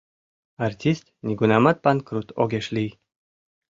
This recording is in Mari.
Артист нигунамат панкрут огеш лий.